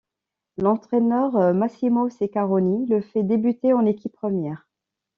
L'entraîneur Massimo Ceccaroni le fait débuter en équipe première.